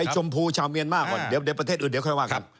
ใบชมพูชาวเมียนมาร์ก่อนเดี๋ยวประเทศอื่นค่อยว่ากัน